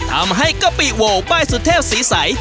ทำให้กะปิโวป้ายสุเทพศรีใส